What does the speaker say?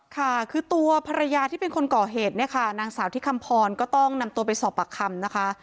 ค่ะคือตัวภรรยาที่เป็นคนก่อเหตุเนี่ยค่ะนางสาวที่คำพรก็ต้องนำตัวไปสอบปากคำนะคะ